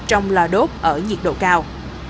trong lò đốt ở nhiệt độ cao